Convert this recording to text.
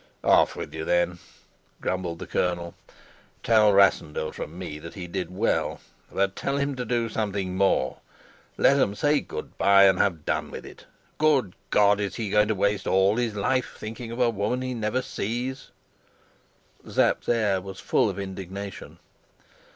"Off with you, then," grumbled the colonel. "Tell Rassendyll from me that he did well. But tell him to do something more. Let 'em say good by and have done with it. Good God, is he going to waste all his life thinking of a woman he never sees?" Sapt's air was full of indignation.